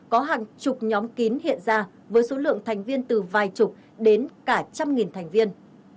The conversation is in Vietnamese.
có hàng chục nhóm kín hiện ra với số lượng thành viên từ vài chục đến cả trăm nghìn thành viên